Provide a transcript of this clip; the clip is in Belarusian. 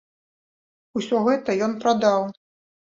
Усё гэта ён прадаў.